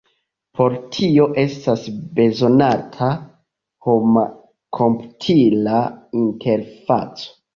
Por tio estas bezonata homa-komputila interfaco.